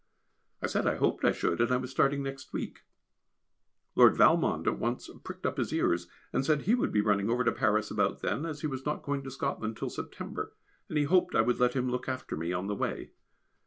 I said I hoped I should, and I was starting next week. Lord Valmond at once pricked up his ears, and said he would be running over to Paris about then, as he was not going to Scotland till September, and he hoped I would let him look after me on the way.